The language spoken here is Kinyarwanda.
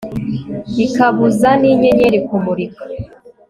ikabuza n'inyenyeri kumurika